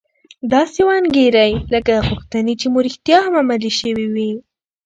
داسې وانګيرئ لکه غوښتنې چې مو رښتيا هم عملي شوې وي.